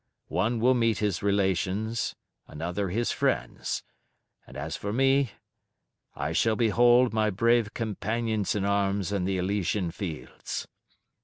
One will meet his relations, another his friends; and as for me, I shall behold my brave companions in arms in the Elysian Fields.